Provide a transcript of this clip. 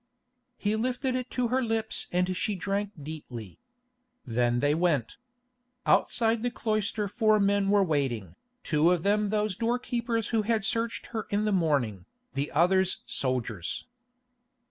He lifted it to her lips and she drank deeply. Then they went. Outside the cloister four men were waiting, two of them those doorkeepers who had searched her in the morning, the others soldiers.